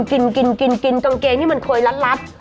กางเกงนี้มันเคยรัด